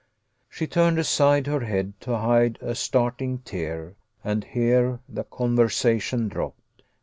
She turned aside her head to hide a starting tear, and here the conversation dropped.